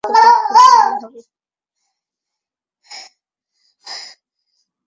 এরপরও কোথাও সমস্যা থাকলে সেটা মেরামত করে দেওয়ার জন্য কর্তৃপক্ষকে বলা হবে।